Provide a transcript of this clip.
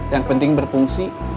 yang penting berfungsi